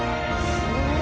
すごい。